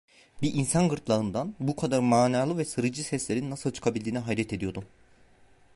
Bir insan gırtlağından bu kadar manalı ve sarıcı seslerin nasıl çıkabildiğine hayret ediyordum.